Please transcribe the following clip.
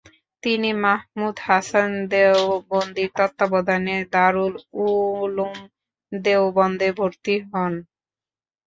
তিনি মাহমুদ হাসান দেওবন্দির তত্ত্বাবধানে দারুল উলুম দেওবন্দে ভর্তি হন।